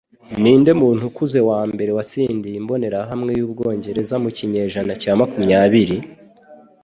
Ninde muntu ukuze wambere watsindiye imbonerahamwe yubwongereza mu kinyejana cya makumyabiri?